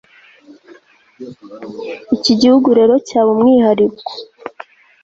iki gihugu rero cyaba umwihariko